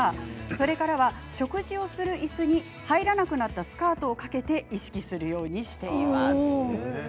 それから食事をするいすに入らなくなったスカートをかけて意識するようにしています。